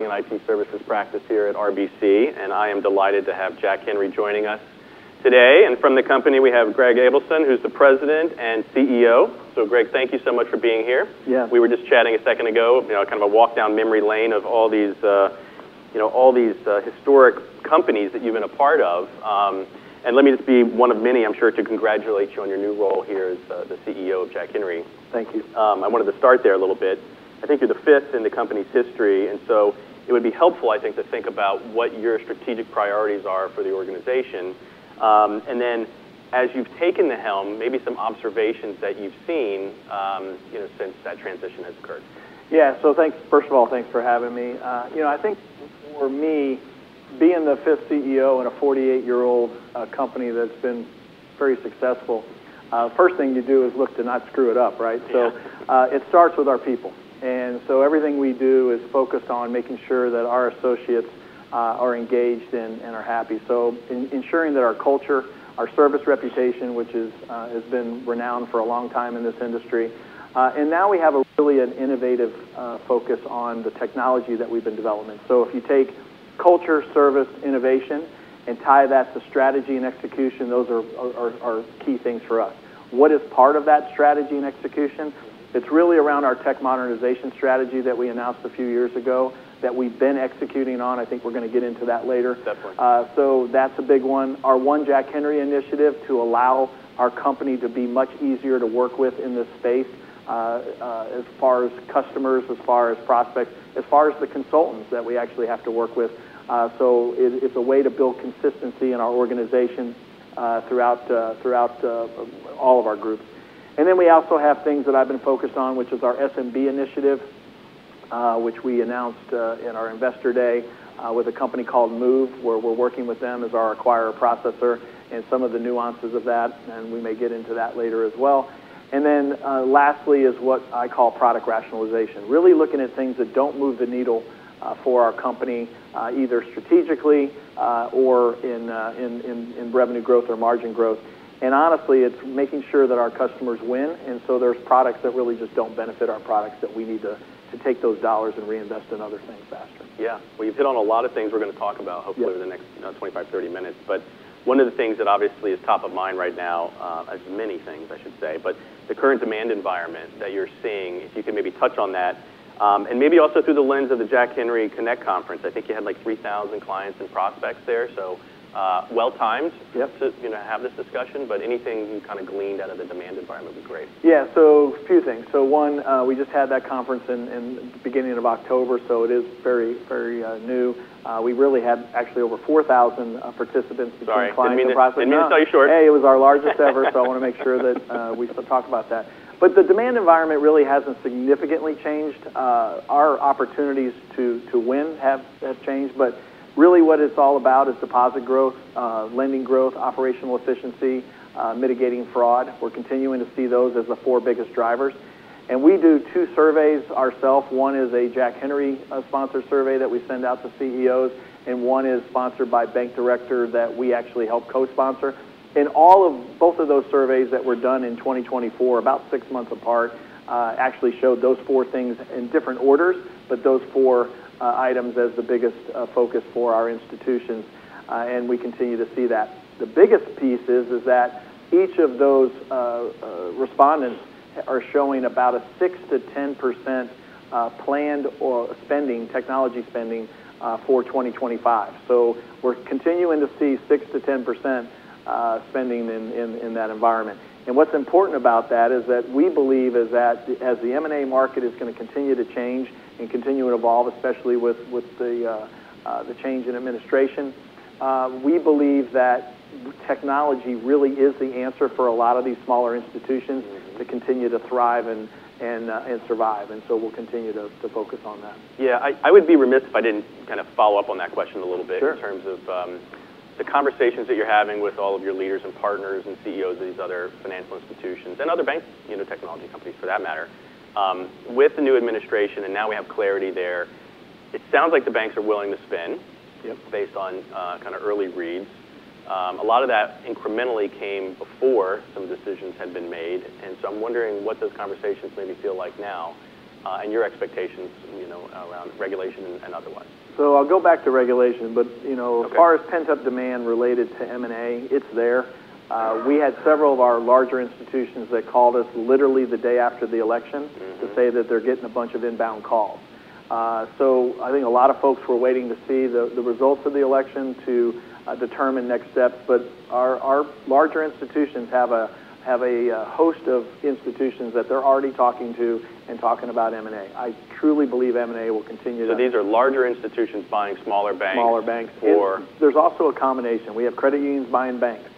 IT Services Practice here at RBC, and I am delighted to have Jack Henry joining us today. And from the company, we have Greg Adelson, who's the President and CEO. So, Greg, thank you so much for being here. Yeah. We were just chatting a second ago, kind of a walk down memory lane of all these historic companies that you've been a part of, and let me just be one of many, I'm sure, to congratulate you on your new role here as the CEO of Jack Henry. Thank you. I wanted to start there a little bit. I think you're the fifth in the company's history, and so it would be helpful, I think, to think about what your strategic priorities are for the organization. And then, as you've taken the helm, maybe some observations that you've seen since that transition has occurred. Yeah, so first of all, thanks for having me. I think, for me, being the fifth CEO in a 48-year-old company that's been very successful, the first thing you do is look to not screw it up, right? So it starts with our people, and so everything we do is focused on making sure that our associates are engaged and are happy. So ensuring that our culture, our service reputation, which has been renowned for a long time in this industry, and now we have really an innovative focus on the technology that we've been developing, so if you take culture, service, innovation, and tie that to strategy and execution, those are key things for us. What is part of that strategy and execution? It's really around our tech modernization strategy that we announced a few years ago that we've been executing on. I think we're going to get into that later. Definitely. So that's a big one. Our One Jack Henry initiative to allow our company to be much easier to work with in this space as far as customers, as far as prospects, as far as the consultants that we actually have to work with. So it's a way to build consistency in our organization throughout all of our groups. And then we also have things that I've been focused on, which is our SMB initiative, which we announced in our investor day with a company called Moov, where we're working with them as our acquirer processor and some of the nuances of that. And we may get into that later as well. And then lastly is what I call product rationalization, really looking at things that don't move the needle for our company, either strategically or in revenue growth or margin growth. And honestly, it's making sure that our customers win. And so there's products that really just don't benefit our products that we need to take those dollars and reinvest in other things faster. Yeah. Well, you've hit on a lot of things we're going to talk about, hopefully, over the next 25, 30 minutes. But one of the things that obviously is top of mind right now, as many things, I should say, but the current demand environment that you're seeing, if you can maybe touch on that. And maybe also through the lens of the Jack Henry Connect Conference, I think you had like 3,000 clients and prospects there. So well-timed to have this discussion. But anything you kind of gleaned out of the demand environment would be great. Yeah. So a few things. So one, we just had that conference in the beginning of October, so it is very, very new. We really had actually over 4,000 participants between clients and prospects. Sorry. I mean, it's not your short. It was our largest ever, so I want to make sure that we still talk about that. But the demand environment really hasn't significantly changed. Our opportunities to win have changed. But really what it's all about is deposit growth, lending growth, operational efficiency, mitigating fraud. We're continuing to see those as the four biggest drivers. And we do two surveys ourselves. One is a Jack Henry-sponsored survey that we send out to CEOs, and one is sponsored by Bank Director that we actually help co-sponsor. And both of those surveys that were done in 2024, about six months apart, actually showed those four things in different orders, but those four items as the biggest focus for our institutions. And we continue to see that. The biggest piece is that each of those respondents are showing about a 6%-10% planned spending, technology spending for 2025. So we're continuing to see 6%-10% spending in that environment. And what's important about that is that we believe that as the M&A market is going to continue to change and continue to evolve, especially with the change in administration, we believe that technology really is the answer for a lot of these smaller institutions to continue to thrive and survive. And so we'll continue to focus on that. Yeah. I would be remiss if I didn't kind of follow up on that question a little bit in terms of the conversations that you're having with all of your leaders and partners and CEOs of these other financial institutions and other bank technology companies, for that matter. With the new administration, and now we have clarity there, it sounds like the banks are willing to spend based on kind of early reads. A lot of that incrementally came before some decisions had been made. And so I'm wondering what those conversations maybe feel like now and your expectations around regulation and otherwise. So I'll go back to regulation. But as far as pent-up demand related to M&A, it's there. We had several of our larger institutions that called us literally the day after the election to say that they're getting a bunch of inbound calls. So I think a lot of folks were waiting to see the results of the election to determine next steps. But our larger institutions have a host of institutions that they're already talking to and talking about M&A. I truly believe M&A will continue to. So these are larger institutions buying smaller banks? Smaller banks, yes. There's also a combination. We have credit unions buying banks.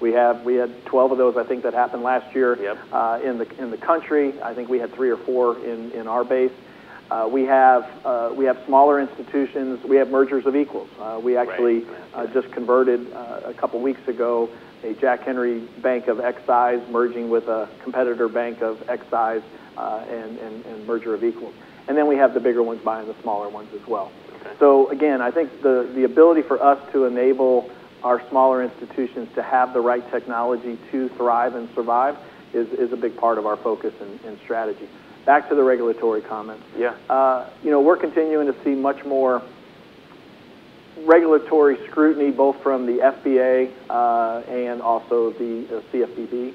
We had 12 of those, I think, that happened last year in the country. I think we had three or four in our base. We have smaller institutions. We have mergers of equals. We actually just converted a couple of weeks ago a Jack Henry bank of X size merging with a competitor bank of X size and merger of equals. And then we have the bigger ones buying the smaller ones as well. So again, I think the ability for us to enable our smaller institutions to have the right technology to thrive and survive is a big part of our focus and strategy. Back to the regulatory comments. We're continuing to see much more regulatory scrutiny, both from the FDIC and also the CFPB.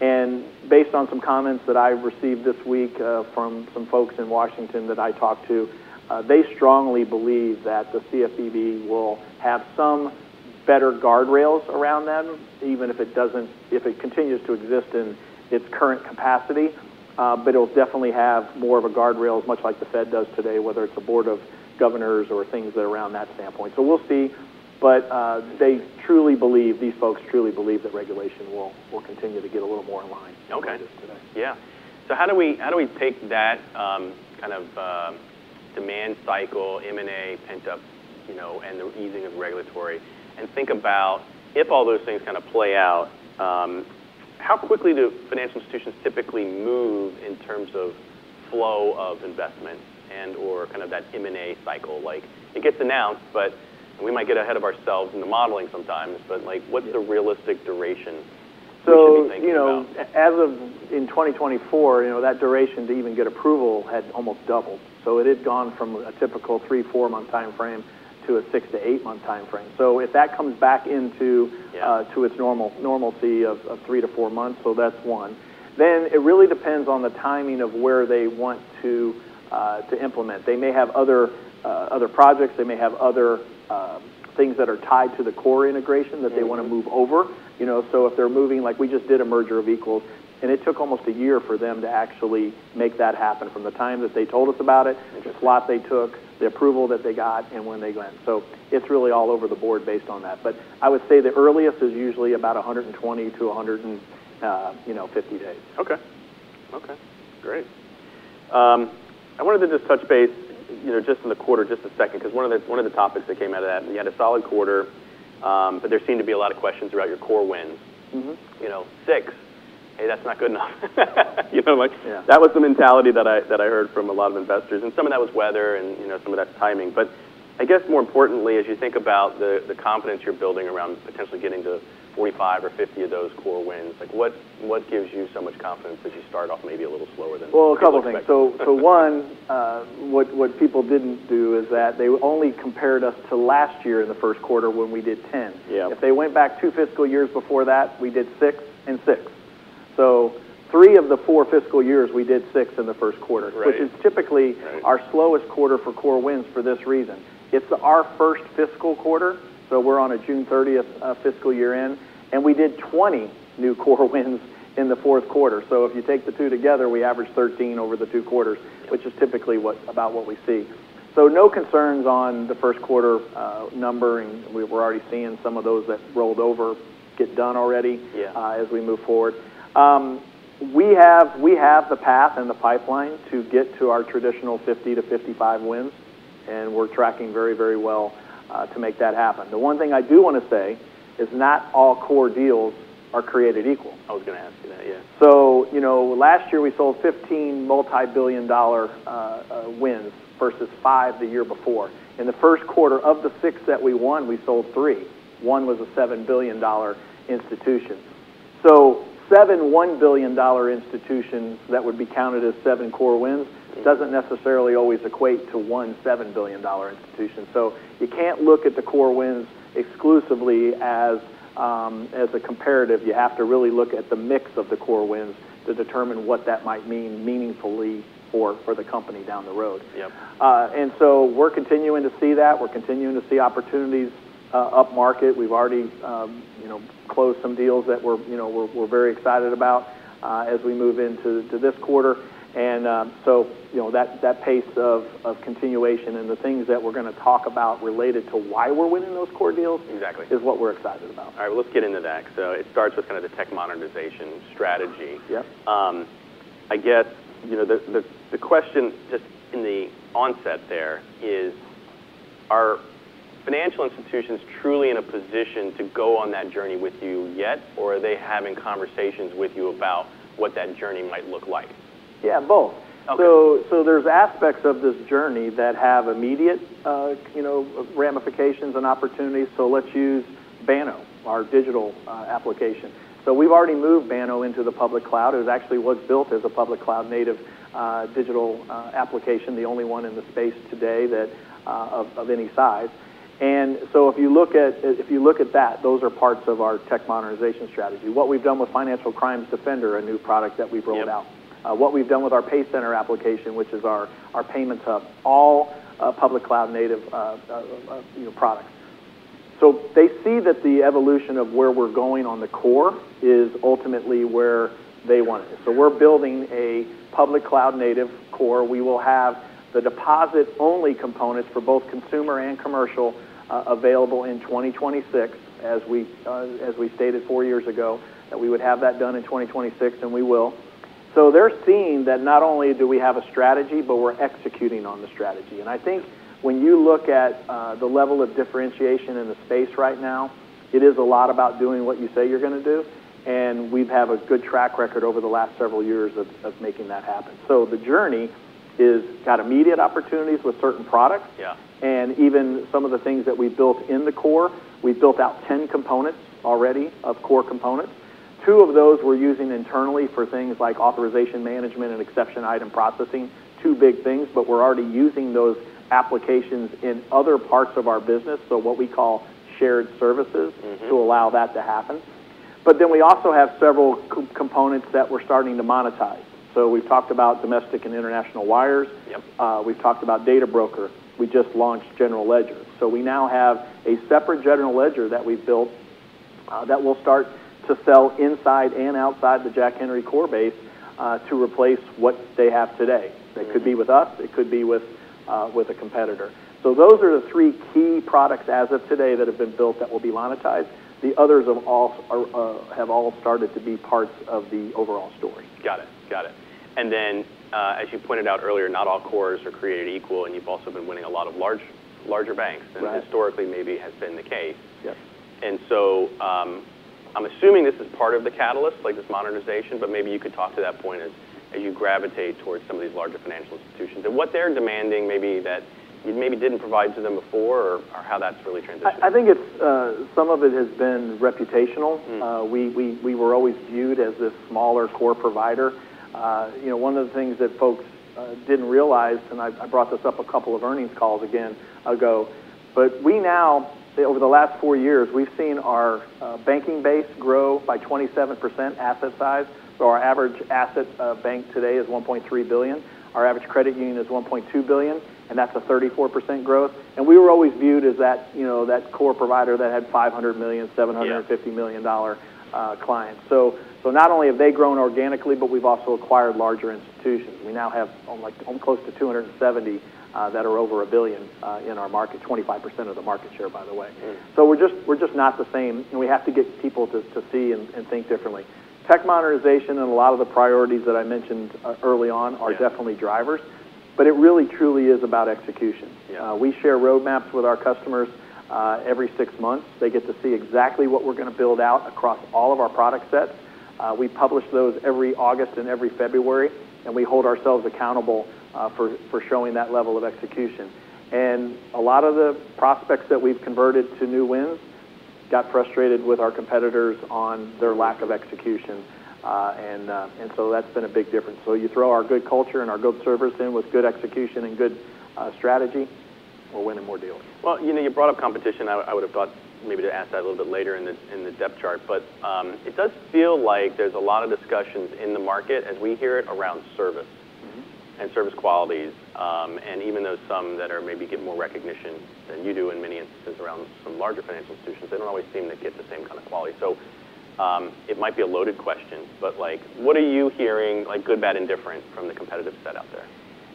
And based on some comments that I received this week from some folks in Washington that I talked to, they strongly believe that the CFPB will have some better guardrails around them, even if it continues to exist in its current capacity. But it'll definitely have more of a guardrail, much like the Fed does today, whether it's a Board of Governors or things that are around that standpoint. So we'll see. But they truly believe, these folks truly believe that regulation will continue to get a little more in line than it is today. Okay. Yeah. So how do we take that kind of demand cycle, M&A, pent-up, and the easing of regulatory, and think about if all those things kind of play out, how quickly do financial institutions typically move in terms of flow of investment and/or kind of that M&A cycle? It gets announced, but we might get ahead of ourselves in the modeling sometimes. But what's the realistic duration? As of in 2024, that duration to even get approval had almost doubled. It had gone from a typical three, four-month time frame to a six- to eight-month time frame. If that comes back into its normalcy of three to four months, that's one. It really depends on the timing of where they want to implement. They may have other projects. They may have other things that are tied to the core integration that they want to move over. If they're moving, like we just did a Merger of Equals, and it took almost a year for them to actually make that happen from the time that they told us about it, the slot they took, the approval that they got, and when they went. It's really all over the board based on that. But I would say the earliest is usually about 120 to 150 days. Okay. Okay. Great. I wanted to just touch base just in the quarter, just a second, because one of the topics that came out of that, and you had a solid quarter, but there seemed to be a lot of questions about your core wins. Six, hey, that's not good enough. That was the mentality that I heard from a lot of investors. And some of that was weather and some of that's timing. But I guess more importantly, as you think about the confidence you're building around potentially getting to 45 or 50 of those core wins, what gives you so much confidence as you start off maybe a little slower than expected? A couple of things. One, what people didn't do is that they only compared us to last year in the first quarter, when we did 10. If they went back two fiscal years before that, we did six and six. Three of the four fiscal years, we did six in the first quarter, which is typically our slowest quarter for core wins for this reason. It's our first fiscal quarter, so we're on a June 30th fiscal year end. We did 20 new core wins in the fourth quarter. If you take the two together, we average 13 over the two quarters, which is typically about what we see. No concerns on the first quarter number. We were already seeing some of those that rolled over get done already as we move forward. We have the path and the pipeline to get to our traditional 50 to 55 wins, and we're tracking very, very well to make that happen. The one thing I do want to say is not all core deals are created equal. I was going to ask you that. Yeah. So last year, we sold 15 multibillion-dollar wins versus five the year before. In the first quarter of the six that we won, we sold three. One was a $7 billion institution. So seven $1 billion institutions that would be counted as seven core wins doesn't necessarily always equate to one $7 billion institution. So you can't look at the core wins exclusively as a comparative. You have to really look at the mix of the core wins to determine what that might mean meaningfully for the company down the road. And so we're continuing to see that. We're continuing to see opportunities up market. We've already closed some deals that we're very excited about as we move into this quarter. And so that pace of continuation and the things that we're going to talk about related to why we're winning those core deals is what we're excited about. All right. Well, let's get into that. So it starts with kind of the tech modernization strategy. I guess the question just in the onset there is, are financial institutions truly in a position to go on that journey with you yet, or are they having conversations with you about what that journey might look like? Yeah, both. So there's aspects of this journey that have immediate ramifications and opportunities. So let's use Banno, our digital application. So we've already moved Banno into the public cloud. It was actually built as a public cloud-native digital application, the only one in the space today of any size. And so if you look at that, those are parts of our tech modernization strategy. What we've done with Financial Crimes Defender, a new product that we've rolled out. What we've done with our PayCenter application, which is our payments hub, all public cloud-native products. So they see that the evolution of where we're going on the core is ultimately where they want it. So we're building a public cloud-native core. We will have the deposit-only components for both consumer and commercial available in 2026, as we stated four years ago, that we would have that done in 2026, and we will, so they're seeing that not only do we have a strategy, but we're executing on the strategy, and I think when you look at the level of differentiation in the space right now, it is a lot about doing what you say you're going to do, and we have a good track record over the last several years of making that happen, so the journey has got immediate opportunities with certain products, and even some of the things that we built in the core, we built out 10 components already of core components. Two of those we're using internally for things like authorization management and exception item processing, two big things. But we're already using those applications in other parts of our business, so what we call shared services to allow that to happen. But then we also have several components that we're starting to monetize. So we've talked about domestic and international wires. We've talked about data brokers. We just launched general ledgers. So we now have a separate general ledger that we've built that will start to sell inside and outside the Jack Henry core base to replace what they have today. It could be with us. It could be with a competitor. So those are the three key products as of today that have been built that will be monetized. The others have all started to be parts of the overall story. Got it. Got it. And then as you pointed out earlier, not all cores are created equal. And you've also been winning a lot of larger banks than historically maybe has been the case. And so I'm assuming this is part of the catalyst, like this modernization, but maybe you could talk to that point as you gravitate towards some of these larger financial institutions. And what they're demanding maybe that you maybe didn't provide to them before or how that's really transitioning? I think some of it has been reputational. We were always viewed as this smaller core provider. One of the things that folks didn't realize, and I brought this up a couple of earnings calls ago, but we now, over the last four years, we've seen our banking base grow by 27% asset size. So our average asset bank today is $1.3 billion. Our average credit union is $1.2 billion, and that's a 34% growth. And we were always viewed as that core provider that had $500 million-$750 million clients, so not only have they grown organically, but we've also acquired larger institutions. We now have close to 270 that are over $1 billion in our market, 25% of the market share, by the way. So we're just not the same, and we have to get people to see and think differently. Tech modernization and a lot of the priorities that I mentioned early on are definitely drivers. But it really truly is about execution. We share roadmaps with our customers every six months. They get to see exactly what we're going to build out across all of our product sets. We publish those every August and every February. And we hold ourselves accountable for showing that level of execution. And a lot of the prospects that we've converted to new wins got frustrated with our competitors on their lack of execution. And so that's been a big difference. So you throw our good culture and our good service in with good execution and good strategy, we're winning more deals. Well, you brought up competition. I would have thought maybe to ask that a little bit later in the depth chart. But it does feel like there's a lot of discussions in the market, as we hear it, around service and service qualities. And even though some that are maybe getting more recognition than you do in many instances around some larger financial institutions, they don't always seem to get the same kind of quality. So it might be a loaded question, but what are you hearing, good, bad, indifferent from the competitive set out there?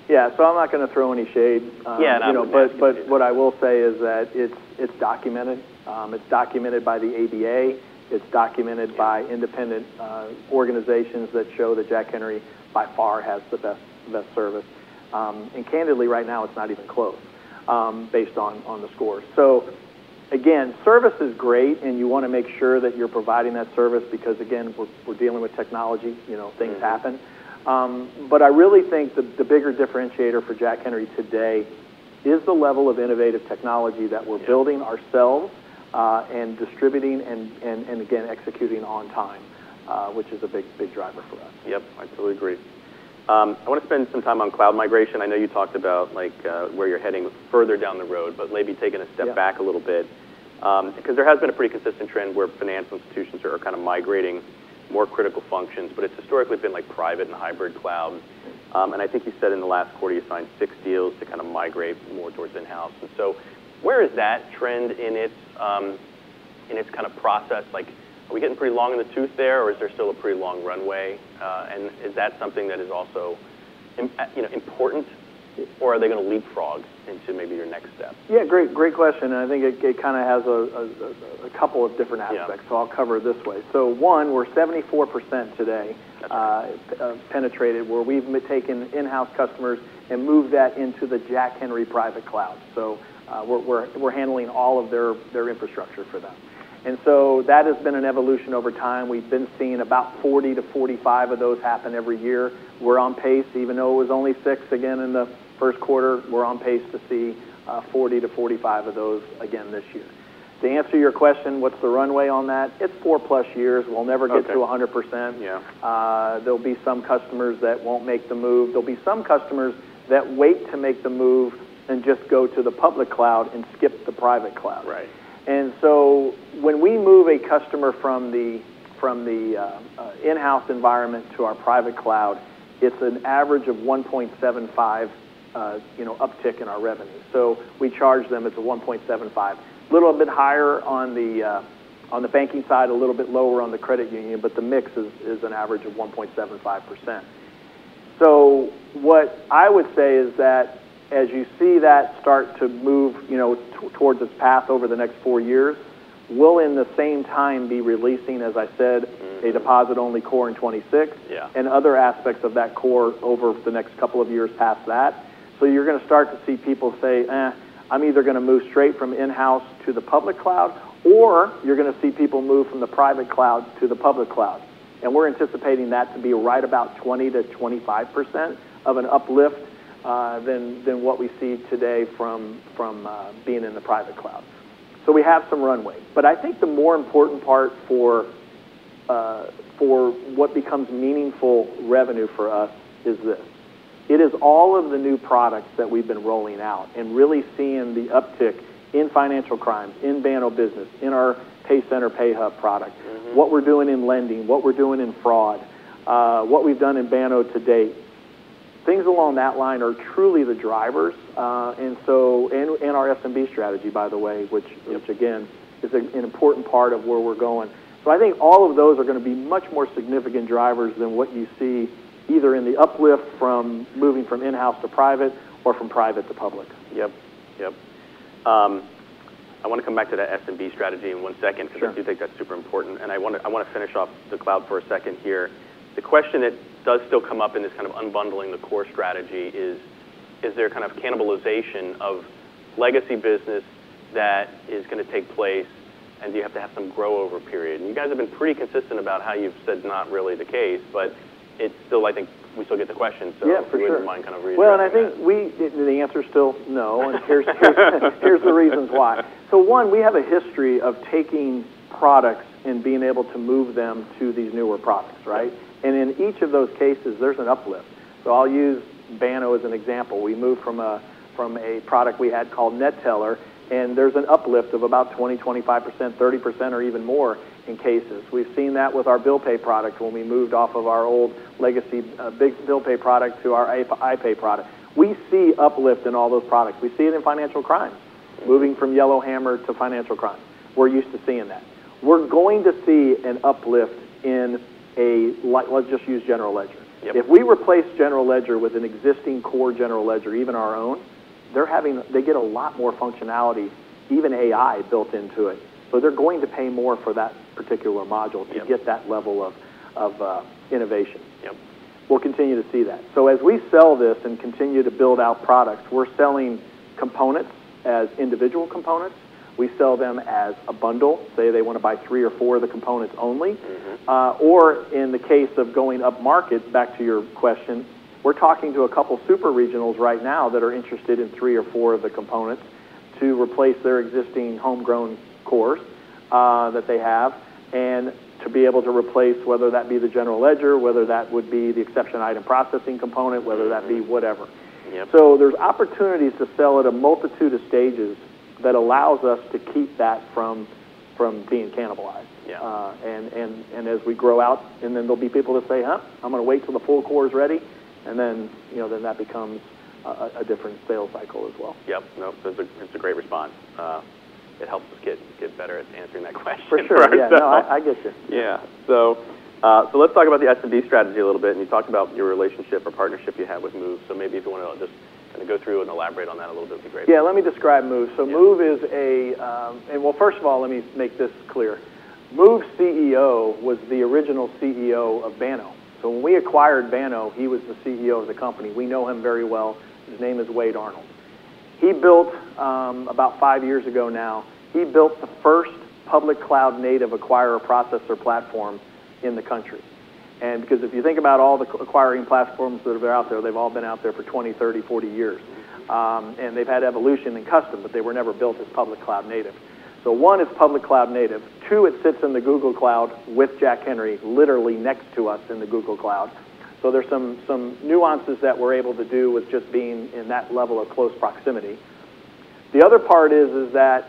Yeah, so I'm not going to throw any shade. Yeah, not at all. But what I will say is that it's documented. It's documented by the ABA. It's documented by independent organizations that show that Jack Henry by far has the best service. And candidly, right now, it's not even close based on the scores. So again, service is great. And you want to make sure that you're providing that service because, again, we're dealing with technology. Things happen. But I really think the bigger differentiator for Jack Henry today is the level of innovative technology that we're building ourselves and distributing and, again, executing on time, which is a big driver for us. Yep. I totally agree. I want to spend some time on cloud migration. I know you talked about where you're heading further down the road, but maybe taking a step back a little bit because there has been a pretty consistent trend where financial institutions are kind of migrating more critical functions, but it's historically been private and hybrid cloud, and I think you said in the last quarter, you signed six deals to kind of migrate more towards in-house, and so where is that trend in its kind of process? Are we getting pretty long in the tooth there, or is there still a pretty long runway, and is that something that is also important, or are they going to leapfrog into maybe your next step? Yeah, great question. And I think it kind of has a couple of different aspects. So I'll cover it this way. So one, we're 74% today penetrated where we've taken in-house customers and moved that into the Jack Henry private cloud. So we're handling all of their infrastructure for them. And so that has been an evolution over time. We've been seeing about 40-45 of those happen every year. We're on pace, even though it was only six again in the first quarter, we're on pace to see 40-45 of those again this year. To answer your question, what's the runway on that? It's four plus years. We'll never get to 100%. There'll be some customers that won't make the move. There'll be some customers that wait to make the move and just go to the public cloud and skip the private cloud. When we move a customer from the in-house environment to our private cloud, it's an average of 1.75 uptick in our revenue. So we charge them at the 1.75, a little bit higher on the banking side, a little bit lower on the credit union. But the mix is an average of 1.75%. What I would say is that as you see that start to move towards its path over the next four years, we'll in the same time be releasing, as I said, a deposit-only core in 2026 and other aspects of that core over the next couple of years past that. You're going to start to see people say, "I'm either going to move straight from in-house to the public cloud," or you're going to see people move from the private cloud to the public cloud. We're anticipating that to be right about 20%-25% of an uplift than what we see today from being in the private cloud. We have some runway. I think the more important part for what becomes meaningful revenue for us is this. It is all of the new products that we've been rolling out and really seeing the uptick in financial crimes, in Banno Business, in our PayCenter PayHub product, what we're doing in lending, what we're doing in fraud, what we've done in Banno to date. Things along that line are truly the drivers. In our SMB strategy, by the way, which again is an important part of where we're going. So I think all of those are going to be much more significant drivers than what you see either in the uplift from moving from in-house to private or from private to public. Yep. Yep. I want to come back to that SMB strategy in one second because I do think that's super important. And I want to finish off the cloud for a second here. The question that does still come up in this kind of unbundling the core strategy is, is there kind of cannibalization of legacy business that is going to take place, and do you have to have some grow-over period? And you guys have been pretty consistent about how you've said not really the case, but it's still, I think we still get the question. So I'm sure you wouldn't mind kind of reiterating that. I think the answer is still no. Here's the reasons why. One, we have a history of taking products and being able to move them to these newer products, right? In each of those cases, there's an uplift. I'll use Banno as an example. We moved from a product we had called NetTeller, and there's an uplift of about 20%, 25%, 30%, or even more in cases. We've seen that with our Bill Pay product when we moved off of our old legacy Bill Pay product to our iPay product. We see uplift in all those products. We see it in financial crimes, moving from Yellowhammer to financial crimes. We're used to seeing that. We're going to see an uplift in a, let's just use General Ledger. If we replace General Ledger with an existing core General Ledger, even our own, they get a lot more functionality, even AI built into it. So they're going to pay more for that particular module to get that level of innovation. We'll continue to see that. So as we sell this and continue to build out products, we're selling components as individual components. We sell them as a bundle. Say they want to buy three or four of the components only. Or in the case of going up market, back to your question, we're talking to a couple of super regionals right now that are interested in three or four of the components to replace their existing homegrown cores that they have and to be able to replace, whether that be the General Ledger, whether that would be the exception item processing component, whether that be whatever. There's opportunities to sell at a multitude of stages that allows us to keep that from being cannibalized. As we grow out, and then there'll be people that say, "Huh, I'm going to wait till the full core is ready." That becomes a different sales cycle as well. Yep. Nope. That's a great response. It helps us get better at answering that question. For sure. No, I get you. Yeah. So let's talk about the SMB strategy a little bit. And you talked about your relationship or partnership you have with Moov. So maybe if you want to just kind of go through and elaborate on that a little bit would be great. Yeah. Let me describe Move. So Move is a, well, first of all, let me make this clear. Move's CEO was the original CEO of Banno. So when we acquired Banno, he was the CEO of the company. We know him very well. His name is Wade Arnold. He built about five years ago now, he built the first public cloud-native acquirer processor platform in the country. And because if you think about all the acquiring platforms that are out there, they've all been out there for 20, 30, 40 years. And they've had evolution and custom, but they were never built as public cloud-native. So one, it's public cloud-native. Two, it sits in the Google Cloud with Jack Henry, literally next to us in the Google Cloud. So there's some nuances that we're able to do with just being in that level of close proximity. The other part is that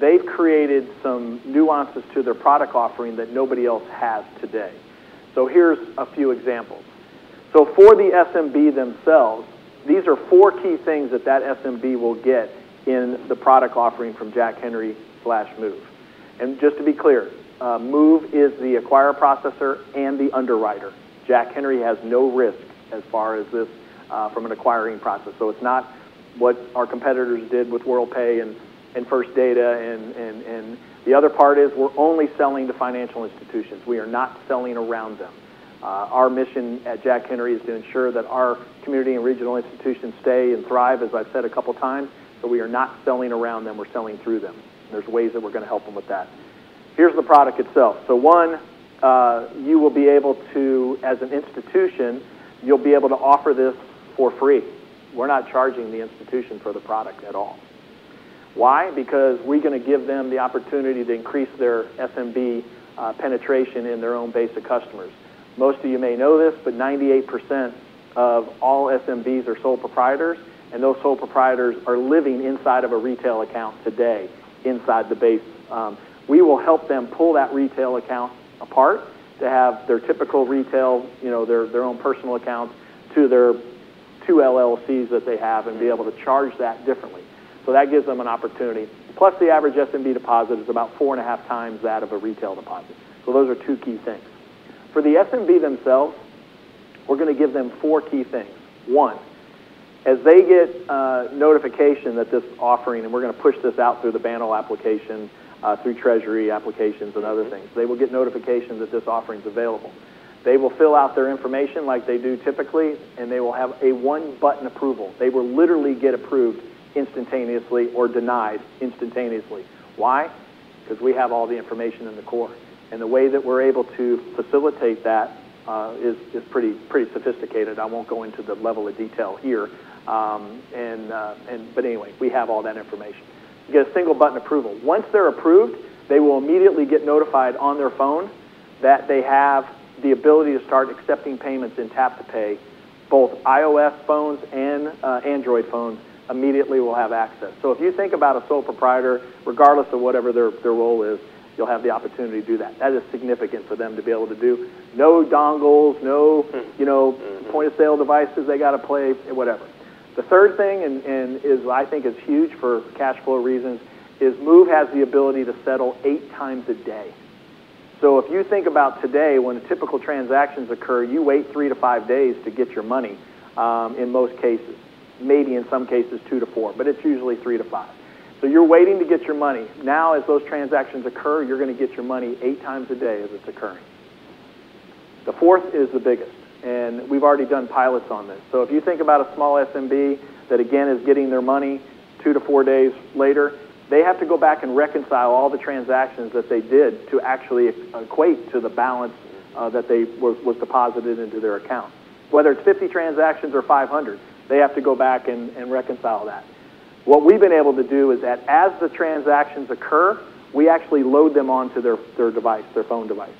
they've created some nuances to their product offering that nobody else has today. Here's a few examples. For the SMB themselves, these are four key things that SMB will get in the product offering from Jack Henry/Move. Just to be clear, Move is the acquirer processor and the underwriter. Jack Henry has no risk as far as this from an acquiring process. It's not what our competitors did with Worldpay and First Data. The other part is we're only selling to financial institutions. We are not selling around them. Our mission at Jack Henry is to ensure that our community and regional institutions stay and thrive, as I've said a couple of times. We are not selling around them. We're selling through them. There's ways that we're going to help them with that. Here's the product itself. So, one, you will be able to, as an institution, you'll be able to offer this for free. We're not charging the institution for the product at all. Why? Because we're going to give them the opportunity to increase their SMB penetration in their own basic customers. Most of you may know this, but 98% of all SMBs are sole proprietors. And those sole proprietors are living inside of a retail account today inside the base. We will help them pull that retail account apart to have their typical retail, their own personal accounts to their two LLCs that they have and be able to charge that differently. So that gives them an opportunity. Plus, the average SMB deposit is about four and a half times that of a retail deposit. So those are two key things. For the SMB themselves, we're going to give them four key things. One, as they get notification that this offering, and we're going to push this out through the Banno application, through Treasury applications and other things, they will get notification that this offering's available. They will fill out their information like they do typically, and they will have a one-button approval. They will literally get approved instantaneously or denied instantaneously. Why? Because we have all the information in the core. And the way that we're able to facilitate that is pretty sophisticated. I won't go into the level of detail here. But anyway, we have all that information. You get a single-button approval. Once they're approved, they will immediately get notified on their phone that they have the ability to start accepting payments in tap-to-pay. Both iOS phones and Android phones immediately will have access. So if you think about a sole proprietor, regardless of whatever their role is, you'll have the opportunity to do that. That is significant for them to be able to do. No dongles, no point-of-sale devices they got to plug, whatever. The third thing, and I think it's huge for cash flow reasons, is Move has the ability to settle eight times a day. So if you think about today, when typical transactions occur, you wait three to five days to get your money in most cases, maybe in some cases two to four, but it's usually three to five. So you're waiting to get your money. Now, as those transactions occur, you're going to get your money eight times a day as it's occurring. The fourth is the biggest. And we've already done pilots on this. So if you think about a small SMB that, again, is getting their money two to four days later, they have to go back and reconcile all the transactions that they did to actually equate to the balance that was deposited into their account. Whether it's 50 transactions or 500, they have to go back and reconcile that. What we've been able to do is that as the transactions occur, we actually load them onto their device, their phone device.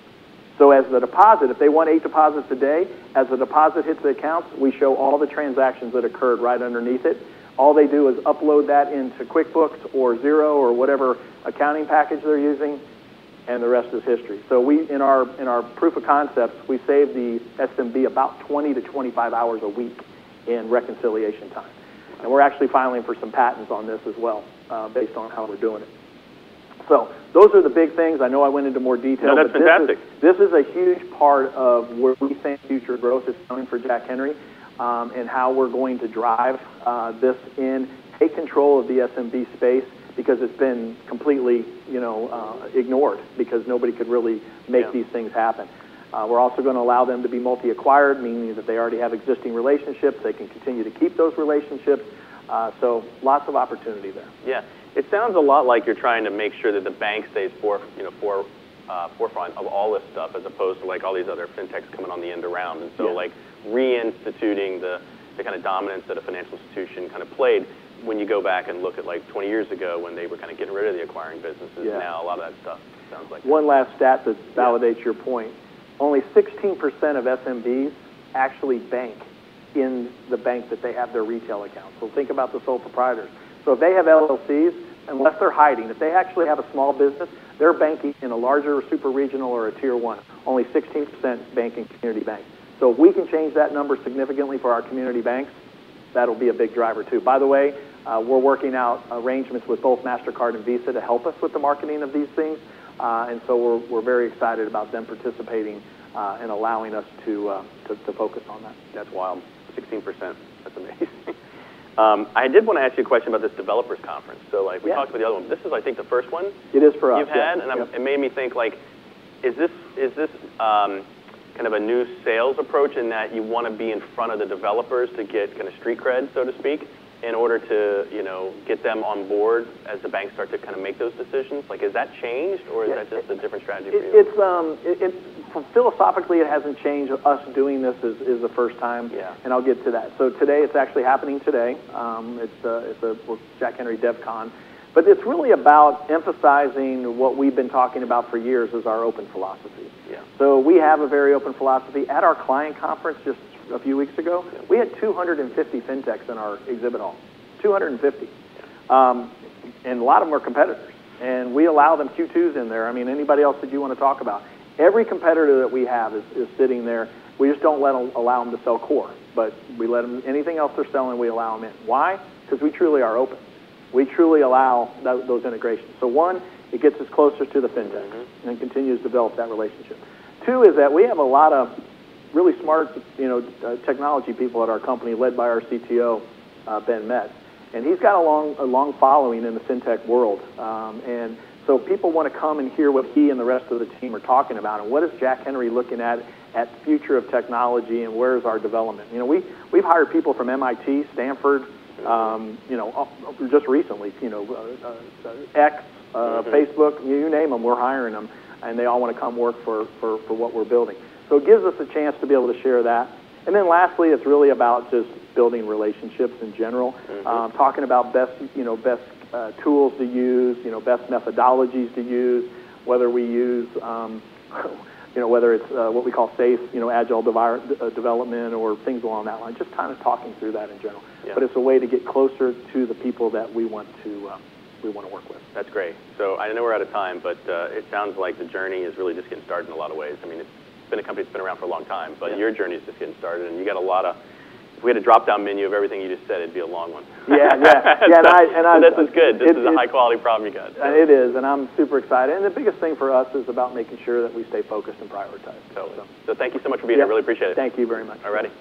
So as the deposit, if they want eight deposits a day, as the deposit hits the accounts, we show all the transactions that occurred right underneath it. All they do is upload that into QuickBooks or Xero or whatever accounting package they're using, and the rest is history. So in our proof of concepts, we save the SMB about 20 to 25 hours a week in reconciliation time. And we're actually filing for some patents on this as well based on how we're doing it. So those are the big things. I know I went into more detail. No, that's fantastic. This is a huge part of where we think future growth is coming for Jack Henry and how we're going to drive this in, take control of the SMB space because it's been completely ignored because nobody could really make these things happen. We're also going to allow them to be multi-acquirer, meaning that they already have existing relationships. They can continue to keep those relationships, so lots of opportunity there. Yeah. It sounds a lot like you're trying to make sure that the bank stays forefront of all this stuff as opposed to all these other fintechs coming on the end around. And so reinstituting the kind of dominance that a financial institution kind of played when you go back and look at 20 years ago when they were kind of getting rid of the acquiring businesses. Now, a lot of that stuff sounds like. One last stat that validates your point. Only 16% of SMBs actually bank in the bank that they have their retail accounts. So think about the sole proprietors. So if they have LLCs, unless they're hiding, if they actually have a small business, they're banking in a larger super regional or a tier one, only 16% banking community bank. So if we can change that number significantly for our community banks, that'll be a big driver too. By the way, we're working out arrangements with both Mastercard and Visa to help us with the marketing of these things. And so we're very excited about them participating and allowing us to focus on that. That's wild. 16%. That's amazing. I did want to ask you a question about this developers conference. So we talked about the other one. This is, I think, the first one. It is for us. You've had, and it made me think, is this kind of a new sales approach in that you want to be in front of the developers to get kind of street cred, so to speak, in order to get them on board as the banks start to kind of make those decisions? Is that changed or is that just a different strategy for you? Philosophically, it hasn't changed. Us doing this is the first time, and I'll get to that, so today it's actually happening today. It's a Jack Henry DevCon, but it's really about emphasizing what we've been talking about for years as our open philosophy, so we have a very open philosophy. At our client conference just a few weeks ago, we had 250 fintechs in our exhibit hall: 250, and a lot of them are competitors, and we allow them Q2s in there. I mean, anybody else that you want to talk about. Every competitor that we have is sitting there. We just don't allow them to sell core, but we let them anything else they're selling, we allow them in. Why? Because we truly are open. We truly allow those integrations, so one, it gets us closer to the fintechs and continues to build that relationship. Two is that we have a lot of really smart technology people at our company led by our CTO, Ben Metz. And he's got a long following in the fintech world. And so people want to come and hear what he and the rest of the team are talking about. And what is Jack Henry looking at the future of technology and where is our development? We've hired people from MIT, Stanford, just recently, X, Facebook, you name them, we're hiring them. And they all want to come work for what we're building. So it gives us a chance to be able to share that. And then lastly, it's really about just building relationships in general, talking about best tools to use, best methodologies to use, whether we use it's what we call SAFe agile development or things along that line, just kind of talking through that in general. But it's a way to get closer to the people that we want to work with. That's great. So I know we're out of time, but it sounds like the journey is really just getting started in a lot of ways. I mean, it's been a company that's been around for a long time, but your journey is just getting started, and you got a lot. If we had a drop-down menu of everything you just said, it'd be a long one. Yeah. Yeah. Yeah. So this is good. This is a high-quality problem you got. It is. And I'm super excited. And the biggest thing for us is about making sure that we stay focused and prioritized. Totally. So thank you so much for being here. I really appreciate it. Thank you very much. All righty.